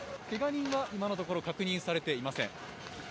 けが人は今のところ確認されていません。